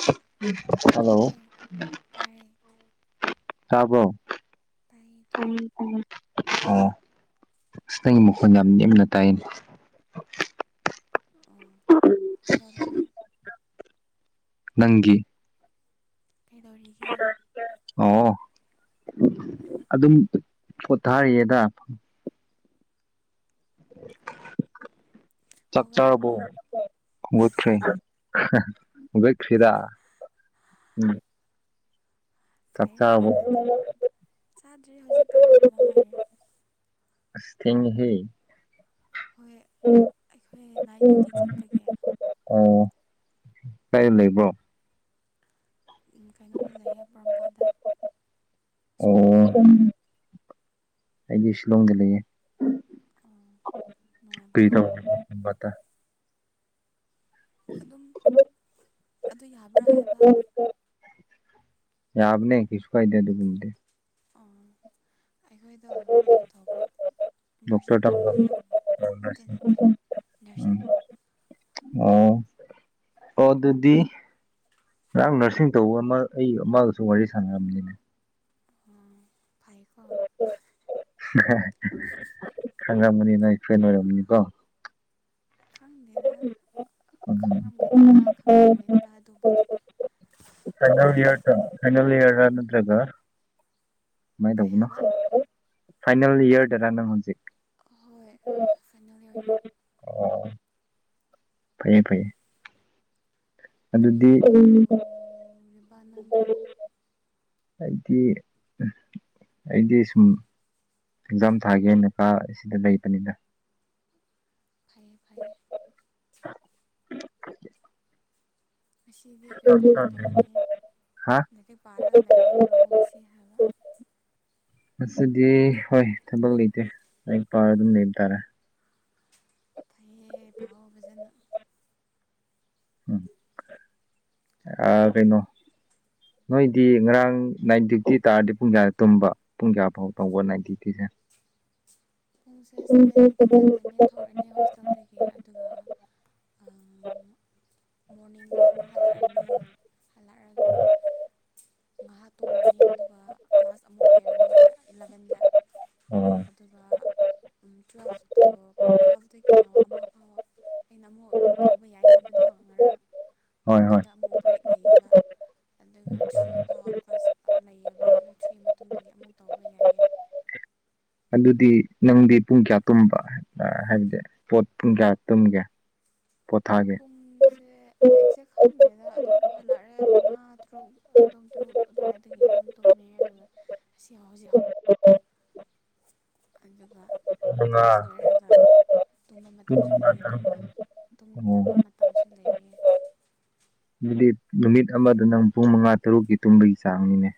[unintelligible] hello ꯇꯕꯔꯣ ꯎꯝ ꯎꯝ ꯑꯣ ꯑꯁ ꯅꯪꯒꯤ ꯃꯈꯣꯟ ꯌꯥꯝ ꯅꯦꯝꯅ ꯇꯥꯏꯌꯦꯅꯦ ꯑꯣ ꯀꯗꯧꯔꯤꯅꯣ ꯅꯪꯒꯤ ꯑꯣ ꯑꯗꯨꯝ ꯄꯣꯊꯥꯔꯤꯌꯦꯗ [unintelligible] ꯆꯥꯛ ꯆꯥꯔꯕꯣ [unintelligible] ꯍꯧꯒꯠꯈꯔ꯭ꯦꯗꯥ ꯎꯝ ꯐꯩ ꯍꯧꯒꯠꯂꯗꯤ ꯆꯥꯗ꯭ꯔꯤ ꯍꯧꯖꯤꯛꯇ ꯍꯧꯒꯠꯄꯗ ꯉꯥꯏꯔꯦ ꯑꯁ ꯊꯤꯡꯉꯦ ꯍꯦ ꯑꯣ ꯀꯩ ꯂꯩꯕ꯭ꯔꯣ [inaudible] ꯑꯩꯒꯤ ꯁꯤꯂꯣꯡꯗ ꯂꯩꯌꯦ ꯀꯩ [unintelligible] ꯠꯇ ꯑꯗꯨꯝ ꯑꯗꯨ ꯌꯥꯕ꯭ꯔꯥ ꯍꯥꯏꯕ ꯌꯥꯕꯅꯤ ꯀꯩꯁꯨ ꯀꯥꯏꯗꯦ ꯑꯗꯨꯒꯨꯝꯕꯗꯤ ꯑ ꯑꯩꯈꯣꯏꯗꯣ ꯀꯩꯅꯣ ꯇꯧꯕ ꯅꯔꯁꯤꯡ ꯇꯝꯕꯒꯤ ꯅꯠꯇꯦ ꯅꯠꯇꯦ ꯅꯔꯁꯤꯡꯅ ꯑꯣ ꯑꯣ ꯑꯗꯨꯗꯤ ꯉꯔꯥꯡ ꯅꯔꯁꯤꯡ ꯇꯧꯕ ꯑꯃ ꯑꯩ ꯑꯃꯒꯁꯨ ꯋꯥꯔꯤ ꯁꯥꯟꯅꯔꯅꯤꯅꯦ ꯑꯣ ꯐꯥꯏ ꯈꯪꯉꯥ ꯃꯅꯤ ꯐ꯭ꯔꯦꯟ ꯑꯣꯏꯔꯝꯅꯤꯀꯣ ꯈꯪꯗꯦꯅ ꯈꯪꯔꯝꯒꯗ꯭ꯔꯥ ꯈꯪꯉꯝꯃꯣꯏꯗ꯭ꯔꯥ ꯑꯗꯨꯕꯨꯗꯤ ꯐꯥꯏꯅꯜ ꯌꯦꯔ ꯇ ꯐꯥꯏꯅꯜ ꯌꯦꯔ ꯅꯗ꯭ꯔꯒ ꯃꯥꯏ ꯇꯧꯕꯅꯣ ꯐꯥꯏꯅꯜ ꯏ ꯌꯔ ꯇꯦꯔ ꯅꯪ ꯍꯧꯣꯟꯁꯤ ꯑꯍꯣꯏ ꯐꯥꯏꯅꯦꯜꯒꯤꯅꯦ ꯐꯌꯦ ꯐꯌꯦ ꯑꯗꯨꯗꯤ ꯑꯩꯗꯤ ꯑꯩꯗꯤ ꯁꯨꯝ ꯑꯦꯛꯖꯥꯝ ꯊꯥꯒꯦꯅꯀꯥ ꯑꯁꯤꯗ ꯂꯩꯕꯅꯤꯅ ꯎꯝ ꯉꯁꯤꯗꯤ ꯀꯔꯤ ꯊꯕꯛ ꯇꯧꯒꯅꯤ ꯂꯥꯏꯔꯤꯛ ꯄꯥꯔꯒ ꯂꯩꯗꯣꯏꯔꯣ ꯉꯁꯤ ꯍꯥꯏꯕ ꯑꯁꯤꯗꯤ ꯍꯣꯏ ꯊꯕꯛ ꯂꯩꯇꯦ ꯂꯥꯏꯔꯤꯛ ꯄꯥꯔ ꯑꯗꯨꯝ ꯂꯩꯕ ꯇꯥꯔꯦ ꯎ ꯎꯝ ꯑꯥ ꯀꯩꯅꯩꯅꯣ ꯅꯣꯏꯗꯤ ꯉꯔꯥꯡ ꯅꯥꯏꯟ ꯗ꯭ꯌꯨꯇꯤ ꯇꯥꯔꯗꯤ ꯄꯨꯡ ꯀꯌꯥꯗ ꯇꯨꯝꯕ ꯄꯨꯡ ꯀꯌꯥ ꯐꯥꯎ ꯇꯧꯕ ꯅꯥꯏꯟ ꯗ꯭ꯌꯨꯇꯤꯁꯦ ꯄꯨꯡꯁꯦ ꯁꯚꯦꯟꯗꯒꯤ ꯆꯠꯂꯅꯤ ꯊꯛꯅꯤ ꯍꯣꯁꯇꯦꯜꯗꯒꯤ ꯑꯗꯨꯒ [inaudible] ꯃꯣꯔꯅꯤꯡꯗ ꯑꯃꯨꯛ ꯍꯜꯂꯛꯑꯅꯤ ꯍꯜꯂꯛꯑꯒ ꯉꯍꯥ ꯇꯨꯝꯂꯅꯤ ꯑꯗꯨꯒ ꯀ꯭ꯂꯥꯁ ꯑꯃꯨꯛ ꯂꯩꯔꯅꯤꯕ ꯏꯂꯚꯦꯟꯗ ꯑꯗꯨꯒ ꯇꯨꯋꯦꯜꯐꯇꯣ ꯇꯨꯋꯦꯜꯐꯇꯒꯤꯅ ꯑꯃ ꯐꯥꯎꯕ ꯑꯩꯅ ꯑꯃꯨꯛ ꯇꯧꯕ ꯌꯥꯏ ꯍꯥꯏꯕꯗꯣ ꯉꯔꯥꯡ ꯑꯗꯨꯗ ꯑꯃꯨꯛ ꯕ꯭ꯔꯦꯛ ꯂꯩꯌꯦꯕ ꯑꯗꯨꯒ ꯊ꯭ꯔꯤ ꯐꯥꯎ ꯀ꯭ꯂꯥꯁ ꯂꯩꯌꯦꯕ ꯑꯗ ꯊ꯭ꯔꯤ ꯃꯇꯨꯡꯗꯒꯤ ꯑꯃꯨꯛ ꯇꯧꯕ ꯌꯥꯏꯌꯦ ꯑꯗꯨꯗꯤ ꯅꯪꯗꯤ ꯄꯨꯡ ꯀꯌꯥ ꯇꯨꯝꯕ ꯍꯥꯏꯕꯗꯤ ꯄꯣꯠ ꯄꯨꯡ ꯀꯌꯥ ꯇꯨꯝꯒꯦ ꯄꯨꯡꯁꯦ ꯑꯦꯛꯖꯦꯛ ꯈꯪꯗꯦꯗ ꯑꯗꯨꯝ ꯍꯜꯂꯛꯑꯦ ꯃꯉꯥ ꯇꯔꯨꯛ ꯑꯗꯨꯝ ꯇꯔꯨꯛ ꯑꯗꯨꯋꯥꯏꯗꯒꯤ ꯑꯗꯨꯝ ꯇꯨꯝꯃꯦ ꯑꯗꯨꯒ ꯑꯁꯤ ꯍꯧꯖꯤꯛ ꯍꯧ ꯑꯗꯨꯒ ꯀ꯭ꯂꯥꯁ ꯂꯣꯏꯔꯔꯒ ꯇꯨꯝꯕ ꯃꯇꯝꯁꯨ ꯂꯩꯌꯦꯕ ꯇꯨꯝꯗꯕ ꯃꯇꯝꯁꯨ ꯂꯩ ꯍꯥꯏꯗꯤ ꯅꯨꯃꯤꯠ ꯑꯃꯗ ꯅꯪ ꯄꯨꯡ ꯃꯉꯥ ꯇꯔꯨꯛꯀꯤ ꯇꯨꯝꯕꯒꯤ ꯆꯥꯡꯅꯤꯅꯦ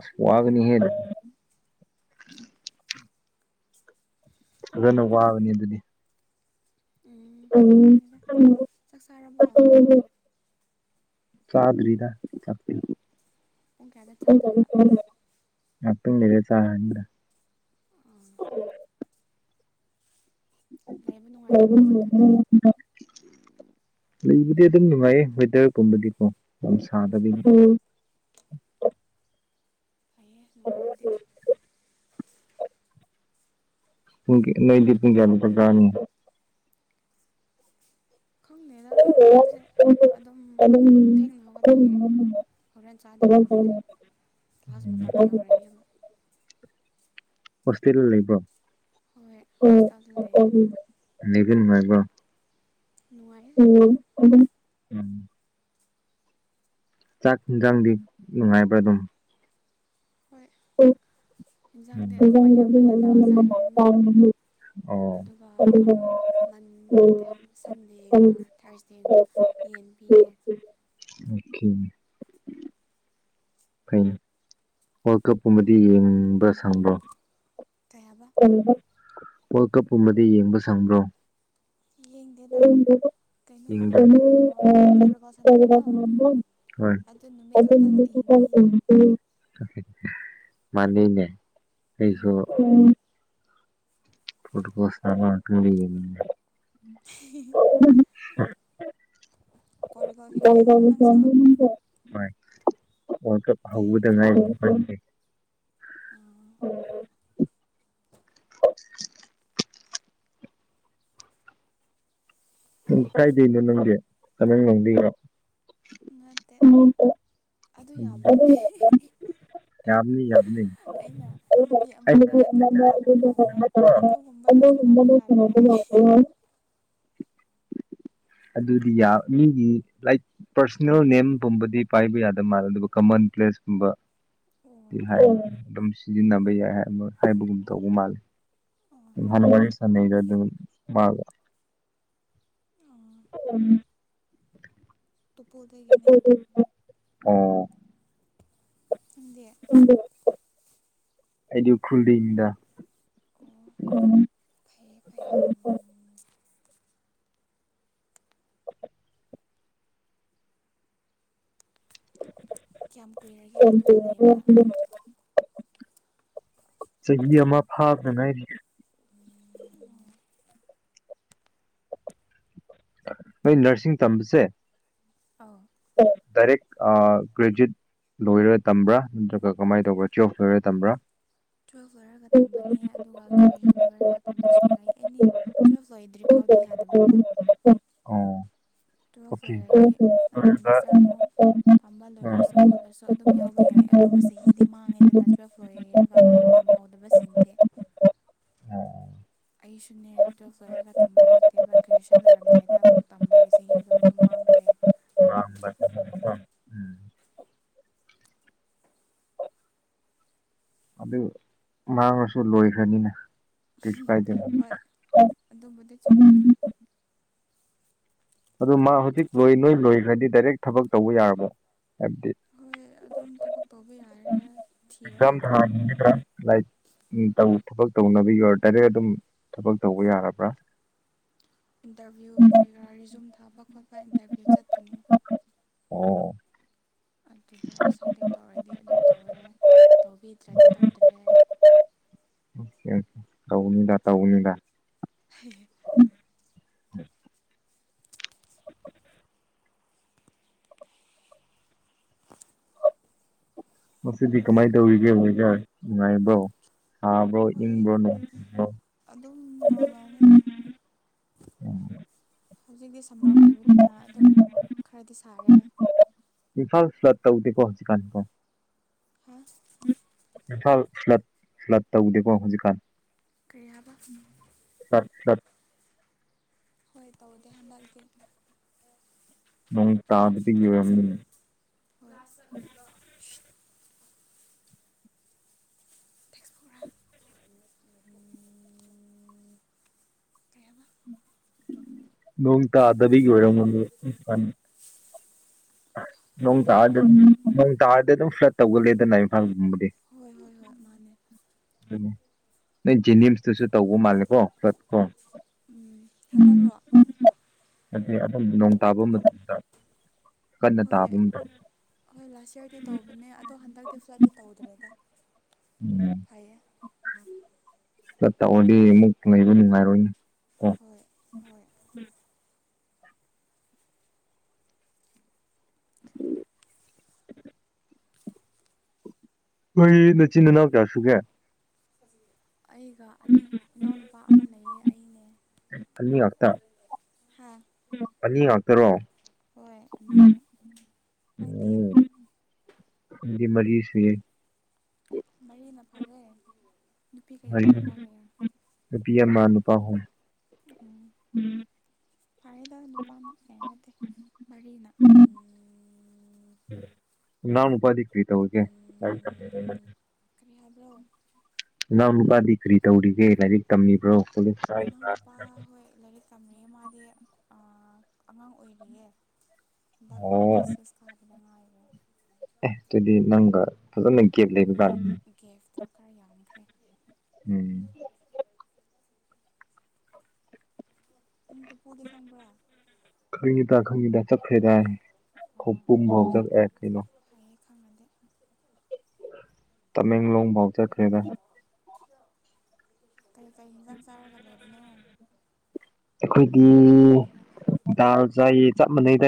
ꯑꯁ ꯋꯥꯒꯅꯤ ꯍꯦ ꯐꯖꯅ ꯋꯥꯕꯅꯤ ꯑꯗꯨꯗꯤ ꯎꯝ [inaudible] ꯆꯗꯔꯤꯗ ꯆ ꯄꯨꯡ ꯀꯌꯥꯗ ꯆꯥꯗꯣꯕ ꯉꯇꯪ ꯂꯩꯔ ꯆꯔꯅꯤꯗ ꯑꯣ [inaudible] ꯂꯩꯕꯨꯗꯤ ꯑꯗꯨꯝ ꯅꯨꯡꯉꯥꯏꯌꯦ ꯋꯦꯗꯔꯒꯨꯝꯕꯗꯤꯀꯣ ꯌꯥꯝ ꯁꯥꯗꯕꯤꯅꯤ ꯍꯣꯏ ꯐꯌꯦꯦ ꯅꯨꯡꯉꯥꯏꯔꯗꯤ ꯅꯣꯏ ꯅꯣꯏꯗꯤ ꯄꯨꯡ ꯀꯌꯥꯗ ꯆꯥꯛ ꯆꯥꯒꯅꯤ ꯈꯪꯗꯦꯗ ꯄꯨꯡꯁꯦ ꯑꯗꯨꯝ ꯊꯦꯡꯅ ꯍꯧꯒꯠꯄꯒꯤ ꯍꯣꯔꯦꯟ ꯆꯥꯗꯧ ꯃꯥꯜꯂꯦ ꯀ꯭ꯂꯥꯁ ꯃꯇꯝ ꯌꯧꯔꯅꯦꯕ ꯍꯣꯁꯇꯦꯜ ꯂꯩꯕ꯭ꯔꯣ ꯍꯣꯏ ꯍꯣꯁꯄꯤꯇꯥꯜꯗ ꯂꯩꯌꯦ ꯂꯩꯕ ꯅꯨꯉꯥꯏꯕꯣ ꯎꯝ ꯑꯣꯝ ꯑꯗꯨꯝ ꯆꯥꯛ ꯌꯦꯟꯁꯥꯡꯗꯤ ꯅꯨꯡꯉꯥꯏꯕ꯭ꯔꯥ ꯑꯗꯨꯝ ꯍꯣꯏ ꯑꯦꯟꯖꯥꯡꯗꯤ ꯑꯗꯨꯝ ꯑꯌꯥꯝꯕꯅ ꯗꯥꯎꯜ ꯆꯥꯏꯔꯦꯗꯅ ꯑꯗꯨꯒ ꯃꯟ ꯅꯠꯇꯦ ꯁꯟꯗꯦꯒ ꯊ꯭ꯔꯁꯗꯦꯒ ꯌꯦꯟ ꯄꯤꯌꯦ ꯎ ꯐꯩꯌꯦ ꯋꯥꯔꯜ ꯀꯞꯀꯨꯝꯕꯗꯤ ꯌꯦꯡꯕ꯭ꯔꯥ ꯁꯪꯕ꯭ꯔꯣ ꯀꯩ ꯍꯥꯏꯕ ꯋꯥꯔꯜ ꯀꯞ ꯀꯨꯝꯕꯗꯤ ꯌꯦꯡꯕ ꯁꯪꯕ꯭ꯔꯣ [inaudible] ꯃꯥꯅꯤꯅꯦ ꯑꯩꯁꯨ ꯄꯣꯔꯇꯨꯒꯜꯁ ꯇꯕ ꯅꯠꯇ ꯌꯦꯅꯤꯡꯗꯦ [unintelligible] ꯍ ꯀ ꯆ ꯋꯥꯜꯀꯞ ꯍꯧꯕꯗ ꯉꯥꯏꯔꯤ ꯎꯝ [unintelligible] [unintelligible] [unintelligible] ꯎꯝ ꯀꯥꯏꯗꯩꯩꯅꯣ ꯅꯪꯗꯤ ꯇꯥꯃꯦꯡꯂꯣꯡꯗꯩꯔꯣ ꯅꯠꯇꯦ ꯑꯗꯨ ꯌꯥꯕꯅꯤ ꯑꯩꯅ ꯅꯨꯄꯤ ꯑꯃꯗ ꯑꯗꯨꯗ ꯍꯥꯡꯕ ꯀꯥꯟꯗ ꯑꯗꯨꯒꯨꯝꯕꯗꯣ ꯁꯥꯟꯅꯕ ꯌꯥꯗꯦ ꯍꯥꯏ ꯑꯗꯨꯗꯤ ꯃꯤꯒꯤ ꯂꯥꯏꯛ ꯄꯥꯔꯁꯣꯅꯦꯜ ꯅꯦꯝꯒꯨꯝꯕꯗꯤ ꯄꯥꯏꯕ ꯌꯥꯗꯦ ꯜ ꯑꯗꯨꯒ ꯀꯃꯟ ꯄ꯭ꯂꯦꯁꯀꯨꯝꯕ ꯇꯤꯍ ꯁꯤꯖꯤꯟꯅꯕ ꯌꯥꯏ ꯍꯥꯏꯕꯒꯨꯝ ꯇꯧꯕ ꯃꯥꯜꯂꯤ ꯋꯥ ꯆ ꯑꯗꯨ ꯃꯥꯂ ꯑꯣꯝ ꯇꯨꯄꯨꯗ ꯀꯅꯦ ꯑꯣ [unintelligible] ꯑꯩꯗꯤ [unintelligible] ꯎꯝ ꯍ ꯀꯌꯥꯝ ꯀꯨꯏꯔꯒꯦ ꯑꯗꯨꯗ ꯂꯩꯕ ꯆꯍꯤ ꯑꯃ ꯐꯥꯕꯗꯉꯥꯏꯔꯤ ꯅꯣꯏ ꯅꯔꯁꯤꯡ ꯇꯝꯕꯁꯦ ꯑ ꯗꯥꯏꯔꯦꯛ ꯒ꯭ꯔꯦꯖ꯭ꯋꯠ ꯂꯣꯏꯔ ꯇꯝꯕ꯭ꯔꯥ ꯅꯠꯇ꯭ꯔꯒ ꯀꯃꯥꯏꯅ ꯇꯧꯕ꯭ꯔ ꯆꯣꯐ ꯂꯣꯏꯔ ꯇꯝꯕ꯭ꯔꯥ ꯇꯨꯋꯦꯜꯞ ꯂꯣꯏꯔꯒ ꯇꯝꯕꯅꯦ ꯑꯗꯨꯒ ꯒ꯭ꯔꯦꯖꯨꯋꯦꯁꯟ ꯂꯣꯏꯔꯒ ꯇꯝꯕꯁꯨ ꯌꯥꯏ ꯑꯦꯅꯤ ꯇꯨꯋꯜꯐ ꯂꯣꯏꯗ꯭ꯔꯤ ꯐꯥꯎꯗꯤ ꯌꯥꯗꯕꯀꯣ ꯇꯨꯌꯦꯦꯜ ꯐꯣꯔ ꯍꯥꯏꯗꯤ ꯅꯪꯅ ꯃꯁꯇꯔ ꯑꯃꯨꯛ ꯇꯝꯕ ꯂꯣꯏꯔꯁꯨ ꯈꯣꯠꯂꯁꯨ ꯑꯗꯨꯝ ꯌꯥꯎꯕ ꯌꯥꯏ ꯑꯗꯨꯕꯨ ꯆꯍꯤꯗꯤ ꯃꯥꯡꯉꯦꯗꯅ ꯇꯨꯋꯦꯜꯞ ꯂꯣꯏꯔꯔꯒ ꯇꯝꯍꯧꯗꯕꯁꯤꯡꯗꯤ ꯑꯣ ꯑꯩꯁꯨꯅꯦ ꯇꯨꯋꯦꯜꯐ ꯂꯣꯏꯔꯒ ꯇꯝꯕ ꯅꯠꯇꯦꯕ ꯒ꯭ꯔꯦꯖꯨꯑꯦꯁꯟ ꯂꯣꯏꯔꯝꯗꯥꯏꯗ ꯑꯃꯨꯛ ꯇꯝꯕꯒꯤꯦ ꯆꯍꯤꯗꯣ ꯑꯗꯨꯝ ꯃꯥꯡꯈ꯭ꯔꯦ ꯃꯇꯝꯗ ꯑꯗꯨ ꯃꯥꯡꯉꯁꯨ ꯂꯣꯏꯈ꯭ꯔꯅꯤꯅ ꯀꯁꯨ ꯐꯥꯏꯗ ꯑꯗꯨ ꯃꯥ ꯍꯧꯖꯤꯛ ꯂꯣꯏ ꯅꯣꯏ ꯂꯣꯏꯈ꯭ꯔꯗꯤ ꯗꯥꯏꯔꯦꯛ ꯊꯕꯛ ꯇꯧꯕ ꯌꯥꯔꯕꯣ ꯍꯣꯏ ꯑꯗꯨꯝ ꯊꯕꯛ ꯇꯧꯕ ꯌꯥꯔꯦ ꯊꯤꯔꯒꯀꯣ ꯂꯥꯏꯔꯤꯛ ꯊꯕꯛ ꯇꯧꯅꯕꯒꯤ ꯑꯣꯏꯔ ꯗꯥꯏꯔꯦꯛ ꯑꯗꯨꯝ ꯊꯕꯛ ꯇꯧꯕ ꯌꯥꯔꯕ꯭ꯔꯥ ꯏꯟꯇꯔꯚ꯭ꯌꯨ ꯀꯔꯤꯔꯥ ꯔꯤꯖꯨꯝ ꯊꯥꯕ ꯈꯣꯠꯄ ꯏꯟꯇꯚ꯭ꯌꯨ ꯆꯠ ꯑꯣ ꯑꯗꯨꯗ ꯁꯦꯂꯦꯛ ꯇꯧꯔꯗꯤ ꯑꯗꯨꯝ ꯇꯧꯔꯦ ꯇꯧꯕꯤꯗ꯭ꯔꯗꯤ ꯇꯧꯗ꯭ꯔꯦ ꯇꯧꯅꯤꯗ ꯇꯧꯅꯤꯗ ꯍꯝ ꯎ ꯃꯁꯤꯗꯤ ꯀꯃꯥꯏꯅ ꯇꯧꯔꯤꯒꯦ ꯍꯣꯏꯖ ꯅꯨꯡꯉꯥꯏꯕꯣ ꯍꯕ꯭ꯔꯣ ꯏꯪꯕ꯭ꯔꯣꯅꯣ ꯍꯧꯖꯤꯛꯇꯤ ꯁꯝꯃꯔ ꯑꯣꯏꯕꯅꯤꯅ ꯑꯗꯨꯝ ꯈꯔꯗꯤ ꯁꯥꯔꯦ ꯏꯝꯐꯥꯜ ꯐ꯭ꯂꯠ ꯇꯧꯗꯤ ꯄꯣꯆꯀꯥꯟꯀꯣ [unintelligible] ꯐ ꯐ꯭ꯂꯠ ꯐ꯭ꯂꯠ ꯇꯧꯗꯦꯀꯣ ꯍꯧꯖꯤꯛꯀꯥꯟ ꯀꯔꯤꯍꯏꯕ ꯍꯣꯏ ꯇꯧꯕꯗꯤꯦ ꯍꯥꯟꯗꯀꯤ ꯅꯣꯡ ꯇꯥꯕꯗꯤꯒꯤ ꯑꯣꯏ ꯅꯣꯡ ꯇꯥꯗꯕꯤꯒꯤ ꯑꯣꯏꯔꯝꯒ [unintelligible] ꯇꯥꯔꯗꯤ ꯑꯗꯨꯝ ꯐ꯭ꯂꯠ ꯇꯧꯒꯂꯦꯗꯅ ꯏꯝꯐꯥꯜꯒꯨꯝꯕ ꯍꯣꯏ ꯍꯣꯏ ꯍꯣꯏ ꯃꯥꯅꯦ ꯅ ꯖꯤꯅꯤꯝꯁ ꯊꯁꯨ ꯇꯧ ꯃꯥꯂ ꯀꯣ ꯆꯠꯀꯣ ꯍꯥꯏꯗꯤ ꯑꯗꯨꯝ ꯅꯣꯡ ꯇꯥꯕ ꯃꯇꯝꯗ ꯀꯟꯅ ꯇꯥꯕ ꯑꯃ ꯇ ꯀ ꯀꯦ ꯑꯣꯏꯗꯗꯤ ꯇꯧꯕꯅꯦ ꯑꯗꯣ ꯍꯟꯗꯛꯇꯤ ꯁꯋꯥꯏꯗ ꯇꯧꯗ꯭ꯔꯦꯗ ꯐꯩꯌꯦ ꯎꯝ ꯆ ꯇꯑꯣꯗꯤ ꯑꯃꯨꯛ ꯂꯩꯕ ꯅꯨꯡꯉꯥꯏꯔꯣꯏꯅꯦ ꯍꯣꯏ ꯍꯣꯏ ꯀꯣꯏ ꯅ ꯆꯤꯅ ꯅ ꯀꯌꯥꯁꯨ ꯀꯦ ꯑꯩꯒ ꯑꯅꯤ ꯏꯅꯥꯎꯅꯨꯄꯥ ꯑꯃ ꯂꯩꯌꯦ ꯑꯩꯅꯦ ꯍꯥ ꯄꯔꯣ ꯍꯣꯏ ꯑꯅꯤ ꯑꯗꯤ ꯃꯔꯤꯁꯦ ꯃꯔꯤꯅ ꯐꯔꯦ ꯅꯨꯄꯤ ꯀꯌꯥ ꯅꯨꯄꯥ ꯀꯌꯥ ꯃꯅꯄꯥꯍꯣ ꯐꯥꯏꯗ ꯅꯨꯄꯥꯅ ꯑꯦ ꯅꯠꯇꯦ ꯃꯔꯤꯅ ꯅꯎ ꯎꯄꯥꯗꯤꯤ ꯀꯔꯤ ꯇꯧꯔꯤꯒꯦ ꯀꯩ ꯍꯥꯏꯕ꯭ꯔꯣ ꯅꯅꯥꯎ ꯅꯨꯄꯥꯗꯤ ꯀꯔꯤ ꯇꯧꯔꯤꯒꯦ ꯂꯥꯏꯔꯤꯛ ꯇꯝꯃꯤꯕ꯭ꯔꯣ ꯏꯅꯥꯎꯅꯨꯄꯥ ꯍꯣꯏ ꯂꯥꯏꯔꯤꯛ ꯇꯝꯃꯤꯌꯦ ꯃꯥꯗꯤ ꯑꯉꯥꯡ ꯑꯣꯏꯔꯤꯌꯦ ꯍꯟꯗꯛꯅ ꯀ꯭ꯂꯥꯁ ꯁꯤꯛꯁ ꯊꯥꯕꯗ ꯉꯥꯏꯔꯦ ꯍꯣꯏ ꯒꯦꯐꯇꯣ ꯈꯔ ꯌꯥꯝꯈ꯭ꯔꯦ ꯎꯝ ꯈꯪꯉꯤꯗ ꯈꯪꯉꯤꯗ ꯆꯠꯈ꯭ꯔꯦꯗ ꯑꯩ ꯈꯧꯄꯨꯝ ꯐꯥꯎ ꯆꯠꯑꯦ ꯀꯩꯅꯣ ꯇꯃꯦꯡꯂꯣꯡ ꯐꯥꯎ ꯆꯠꯈ꯭ꯔꯦꯗ ꯀꯩ ꯀꯩ ꯌꯦꯟꯖꯥꯡ ꯆꯥꯔꯒ ꯂꯩꯕꯅꯣ ꯑꯩꯈꯣꯏꯒꯤ ꯗꯥꯜ ꯆꯥꯏ ꯆꯞ ꯃꯥꯟꯅꯩ